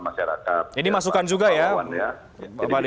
masyarakat ini masukan juga ya pak wawan ya